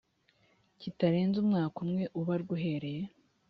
kitarenze umwaka umwe ubarwa uhereye